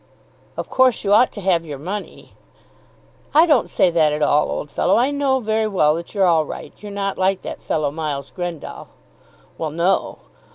"Of course you ought to have your money." "I don't say that at all, old fellow. I know very well that you're all right. You're not like that fellow, Miles Grendall." "Well; no.